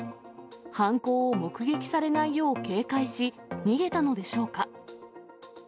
犯行を目撃されないよう警戒し、逃げたのでしょうか。